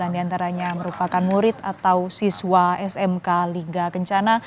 sembilan diantaranya merupakan murid atau siswa smk lingga kencana